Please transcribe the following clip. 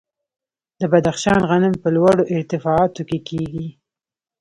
د بدخشان غنم په لوړو ارتفاعاتو کې کیږي.